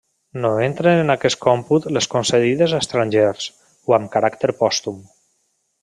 No entren en aquest còmput les concedides a estrangers, o amb caràcter pòstum.